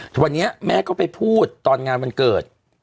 แต่วันนี้แม่ก็ไปพูดตอนงานวันเกิด